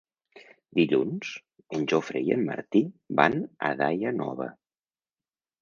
Dilluns en Jofre i en Martí van a Daia Nova.